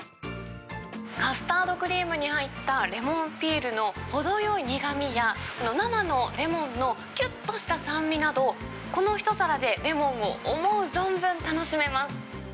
カスタードクリームに入ったレモンピールの程よい苦みや、生のレモンのきゅっとした酸味など、この一皿でレモンを思う存分楽しめます。